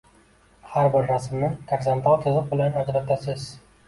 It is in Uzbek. Har bir rasmni gorizontal chiziq bilan ajratasiz.